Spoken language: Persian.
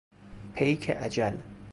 پیک اجل